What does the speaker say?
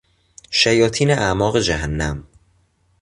شیاطین اعماق جهنم